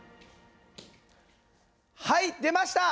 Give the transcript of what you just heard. はい出ました！